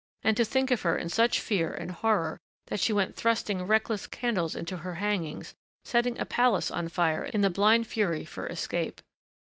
And to think of her in such fear and horror that she went thrusting reckless candles into her hangings, setting a palace on fire in the blind fury for escape....